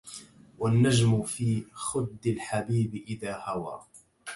والنجم في خد الحبيب إذا هوى